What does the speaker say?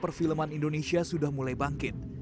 perfilman indonesia sudah mulai bangkit